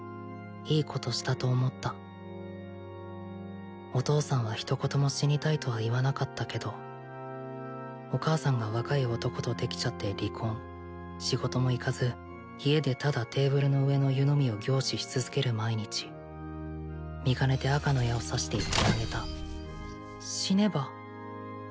いいことしたと思ったお父さんは一言も死にたいとは言わなかったけどお母さんが若い男とできちゃって離婚仕事も行かず家でただテーブルの上の湯飲みを凝視し続ける毎日見かねて赤の矢を刺して言ってあげた死ねば？